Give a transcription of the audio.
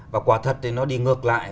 và quả thật thì nó đi ngược lại